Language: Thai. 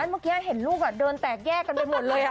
เมื่อกี้เห็นลูกเดินแตกแยกกันไปหมดเลย